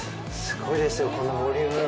すごいですよ、このボリューム。